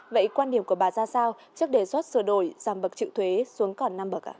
vậy quan điểm của bà ra sao trước đề xuất sửa đổi giảm bậc triệu thuế xuống còn năm bậc ạ